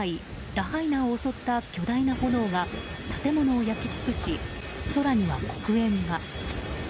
ラハイナを襲った巨大な炎が建物を焼き尽くし、空には黒煙が。